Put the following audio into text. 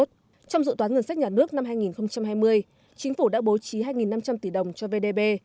trong dự toán ngân sách nhà nước năm hai nghìn hai mươi chính phủ đã bố trí hai năm trăm linh tỷ đồng cho vdb